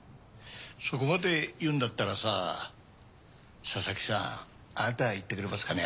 そこまで言うんだったらさ佐々木さんあなたが行ってくれますかね？